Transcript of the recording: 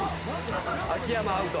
秋山アウト。